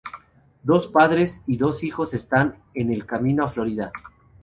Dos padres y dos hijos están en el camino a Florida.